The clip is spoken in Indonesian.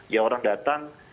ya orang datang